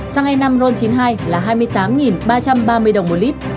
xăng e năm ron chín mươi hai là hai mươi tám ba trăm ba mươi đồng một lít